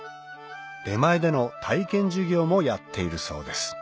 出前での体験授業もやっているそうです